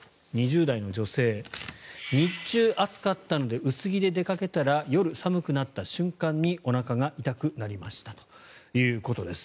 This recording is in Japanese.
２０代の女性日中暑かったので薄着で出かけたら夜、寒くなった瞬間におなかが痛くなりましたということです。